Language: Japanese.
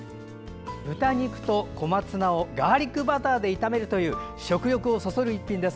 豚肉と小松菜をガーリックバターで炒めるという食欲をそそる１品です。